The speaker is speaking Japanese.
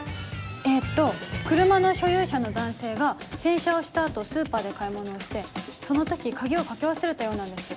えと車の所有者の男性が洗車をした後スーパーで買い物をしてその時鍵をかけ忘れたようなんです。